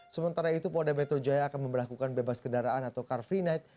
sementara itu polda metro jaya akan memperlakukan bebas kendaraan atau car free night